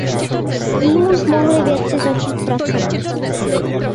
S tím už mohli vědci začít pracovat.